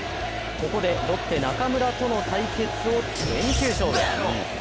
ここでロッテ・中村との対決を全球勝負。